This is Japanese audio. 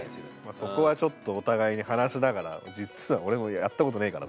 そこはちょっとお互いに話しながら「実は俺もやったことねえから」